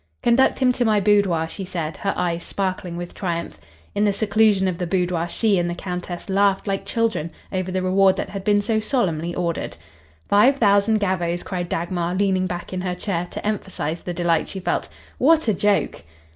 "Conduct him to my boudoir," she said, her eyes sparkling with triumph. In the seclusion of the boudoir she and the Countess laughed like children over the reward that had been so solemnly ordered. "Five thousand gavvos!" cried Dagmar, leaning back in her chair, to emphasize the delight she felt. "What a joke!"